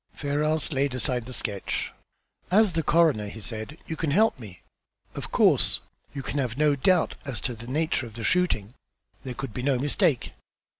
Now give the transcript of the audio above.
Ferrars laid aside the sketch. "As the coroner," he said, "you can help me. Of course, you can have no doubt as to the nature of the shooting. There could be no mistake."